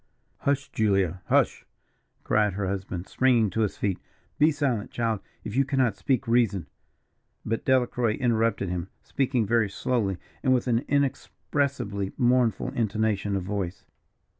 "Hush, Julia, hush!" cried her husband, springing to his feet. "Be silent, child, if you cannot speak reason " But Delacroix interrupted him, speaking very slowly, and with an inexpressibly mournful intonation of voice.